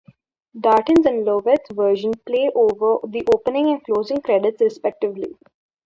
Darin's and Lovett's versions play over the opening and closing credits, respectively.